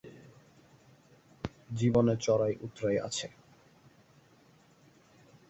জীবনে চড়াই উতরাই আছে।